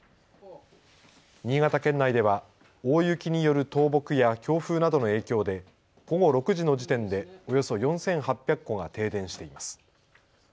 新潟県内では大雪による倒木や強風などの影響で午後６時の時点でおよそ４８００戸が停電しています。